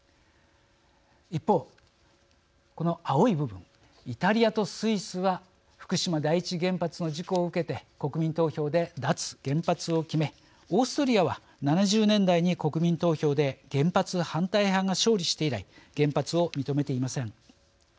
一方、この青い部分イタリアとスイスは福島第一原発の事故を受けて国民投票で脱原発を決めオーストリアは７０年代に国民投票で原発反対派が勝利して以来原発を認めていません。